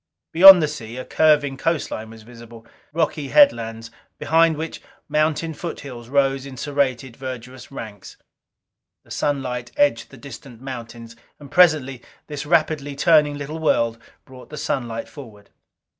Beyond the sea, a curving coastline was visible. Rocky headlines, behind which mountain foothills rose in serrated, verdurous ranks. The sunlight edged the distant mountains; and presently this rapidly turning little world brought the sunlight forward.